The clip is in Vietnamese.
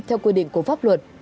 theo quy định của pháp luật